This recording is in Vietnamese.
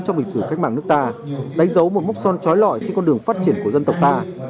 trong lịch sử cách mạng nước ta đánh dấu một mốc son trói lọi trên con đường phát triển của dân tộc ta